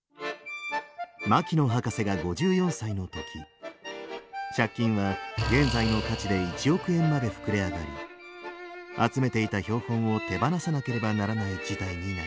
牧野博士が５４歳の時借金は現在の価値で１億円まで膨れ上がり集めていた標本を手放さなければならない事態になります。